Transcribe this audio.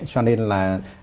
cho nên là